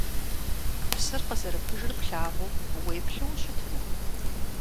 Псыр къызэрыпыжыр плъагъуу, уеплъу ущытыну?